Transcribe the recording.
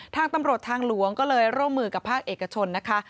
ทางตำรวจทางหลวงก็เลยร่วมมือกับภาคเอกชนนะคะ